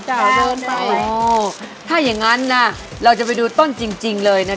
เจ้าเดินไปอ๋อถ้าอย่างงั้นน่ะเราจะไปดูต้นจริงจริงเลยน่ะเจ้า